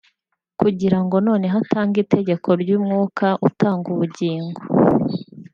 kugira ngo noneho atange itegeko ry’Umwuka utanga ubugingo